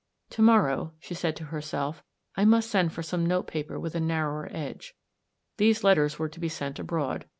" To mor row," she said to herself, "I must send for some note paper with a narrower edge." These letters were to be sent abroad.